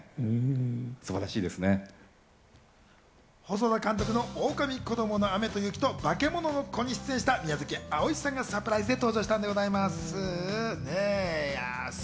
細田監督の『おおかみこどもの雨と雪』と『バケモノの子』に出演した宮崎あおいさんがサプライズで登場したんでございます。